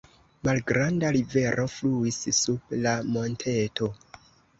Malgranda rivero fluis sub la monteto.